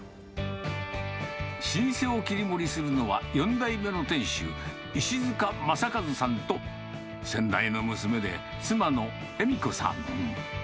老舗を切り盛りするのは、４代目の店主、石塚正和さんと、先代の娘で妻の恵美子さん。